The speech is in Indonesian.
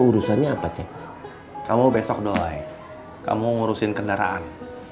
urusannya apa cek kamu besok dole kamu ngurusin kendaraan